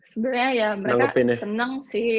sebenernya ya mereka seneng sih